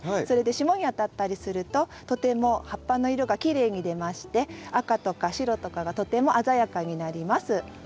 それで霜にあたったりするととても葉っぱの色がきれいに出まして赤とか白とかがとても鮮やかになります。